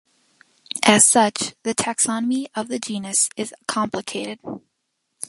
As such, the taxonomy of the genus is complicated.